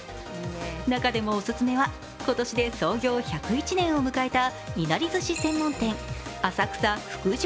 中でもオススメは今年で創業１０１年を迎えた伊奈利寿司専門店浅草福寿